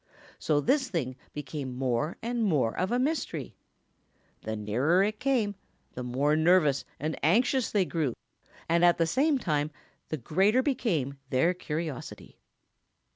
So this thing became more and more of a mystery. The nearer it came, the more nervous and anxious they grew, and at the same time the greater became their curiosity.